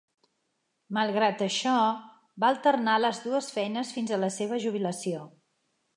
Malgrat això, va alternar les dues feines fins a la seva jubilació.